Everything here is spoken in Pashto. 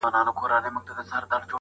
او کله به هم دا جرآت ونکړم چې